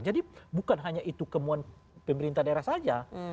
jadi bukan hanya itu kemauan pemerintahan daerah saja